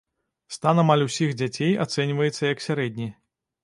Стан амаль усіх дзяцей ацэньваецца як сярэдні.